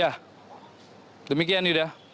ya demikian sudah